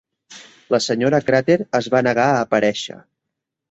La senyora Crater es va negar a aparèixer.